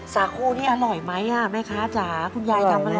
สาคูนี่อร่อยไหมอะแม่คะจ้ะคุณยายทำอร่อยไหม